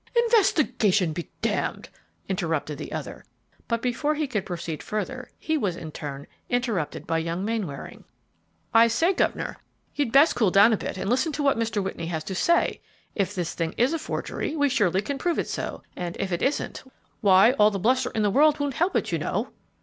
"Investigation be damned!" interrupted the other, but, before he could proceed further, he was in turn interrupted by young Mainwaring. "I say, governor, you'd best cool down a bit and listen to what Mr. Whitney has to say; if this thing is a forgery, we surely can prove it so; and if it isn't, why, all the bluster in the world won't help it, you know."